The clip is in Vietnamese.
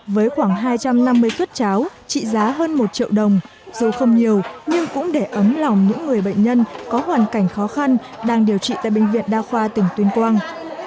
với khoảng hai trăm năm mươi suất cháo trị giá hơn một triệu đồng dù không nhiều nhưng cũng để ấm lòng những người bệnh nhân có hoàn cảnh khó khăn đang điều trị tại bệnh viện đa khoa tỉnh tuyên quang